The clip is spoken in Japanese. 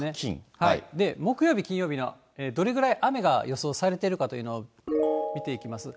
木曜日、金曜日の、どれぐらい雨が予想されているかというのを見ていきます。